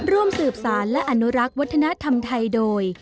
ร่วมสืบสารและอนุรักษ์วัฒนธรรมไทยโดย